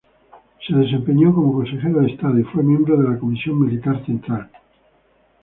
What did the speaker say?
Se desempeñó como Consejero de Estado y fue miembro de la Comisión Militar Central.